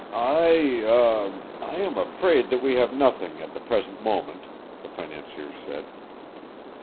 "I er I am afraid that we have nothing at the present moment," the financier said.